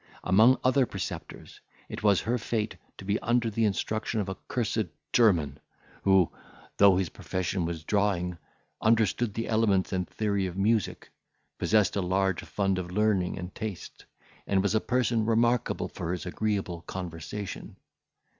Among other preceptors, it was her fate to be under the instruction of a cursed German, who, though his profession was drawing, understood the elements and theory of music, possessed a large fund of learning and taste, and was a person remarkable for his agreeable conversation.